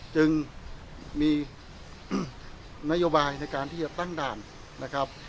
จึงมีนโยบายในการที่จะตั้งด่านนะครับ